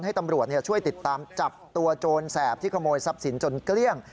ให้ตำรวจช่วยติดตามจับตัวโจรแสบที่ขโมยทรัพย์สินจนเกลี้ยง